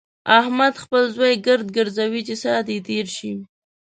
احمد خپل زوی ګرد ګرځوي چې ساعت يې تېر شي.